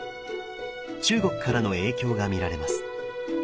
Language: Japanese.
中国からの影響が見られます。